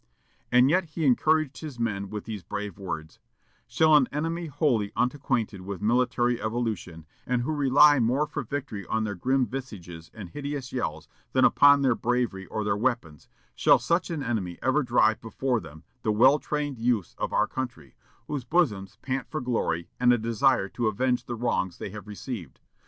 And yet he encouraged his men with these brave words: "Shall an enemy wholly unacquainted with military evolution, and who rely more for victory on their grim visages and hideous yells than upon their bravery or their weapons shall such an enemy ever drive before them the well trained youths of our country, whose bosoms pant for glory and a desire to avenge the wrongs they have received?